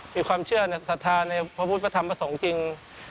มีความเชื่อสัทธาในพระพุทธพระธรรมพระสงฆ์จริง